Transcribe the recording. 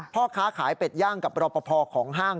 พ่อค้าขายเป็ดย่างกับรอปภของห้าง